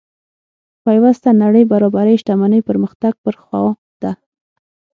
پیوسته نړۍ برابرۍ شتمنۍ پرمختګ پر خوا ده.